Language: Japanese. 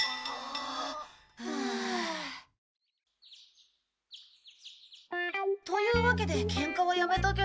ハア。というわけでケンカはやめたけど。